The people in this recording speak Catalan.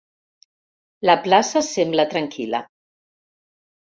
La plaça sembla tranquil·la.